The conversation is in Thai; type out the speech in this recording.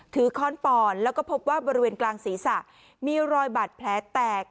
ค้อนปอนแล้วก็พบว่าบริเวณกลางศีรษะมีรอยบาดแผลแตก